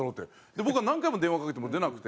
僕が何回も電話かけても出なくて。